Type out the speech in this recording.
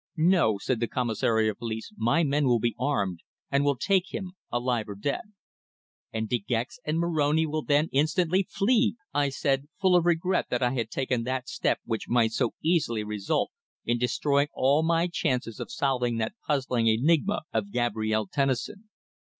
"No," said the Commissary of Police. "My men will be armed, and will take him, alive or dead!" "And De Gex and Moroni will then instantly flee!" I said, full of regret that I had taken that step which might so easily result in destroying all my chances of solving that puzzling enigma of Gabrielle Tennison.